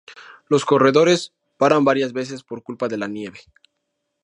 Los corredores paran varias veces por culpa de la nieve.